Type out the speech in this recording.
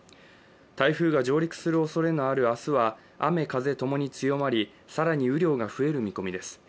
台風が上陸するおそれのある明日は、雨風ともに強まり更に雨量が増える見込みです。